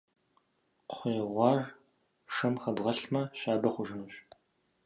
Кхъуей гъуар шэм хэбгъэлъмэ, щабэ хъужынущ.